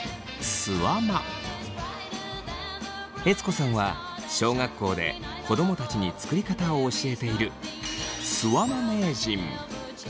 悦子さんは小学校で子供たちに作り方を教えているすわま名人！